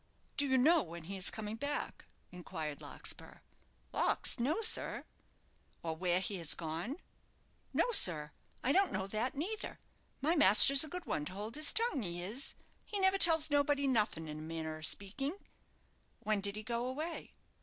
"Do you know when he's coming back?" inquired Larkspur. "Lawks, no, sir." "Or where he's gone?" "No, sir, I don't know that neither. My master's a good one to hold his tongue, he is. He never tells nobody nothing, in a manner of speaking." "When did he go away?"